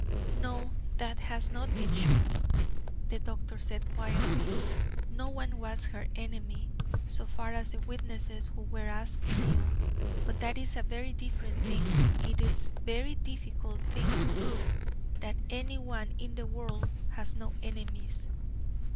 "No, that has not been shown," the doctor said, quietly. "No one was her enemy, so far as the witnesses who were asked knew; but that is a very different thing; it's a very difficult thing to prove that any one in the world has no enemies.